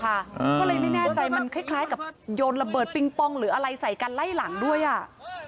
ก็เลยไม่แน่ใจมันคล้ายกับโยนระเบิดปิงปองหรืออะไรใส่กันไล่หลังด้วยอ่ะ